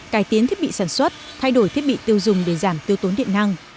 cải tiến thiết bị sản xuất thay đổi thiết bị tiêu dùng để giảm tiêu tốn điện năng